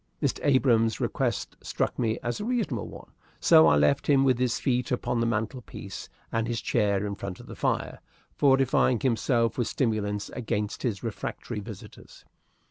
Mr. Abrahams' request struck me as a reasonable one, so I left him with his feet upon the mantel piece, and his chair in front of the fire, fortifying himself with stimulants against his refractory visitors.